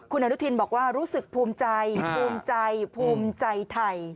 คุณอนุทินบอกว่ารู้สึกภูมิใจภูมิใจภูมิใจไทย